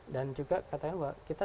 dan juga katanya kita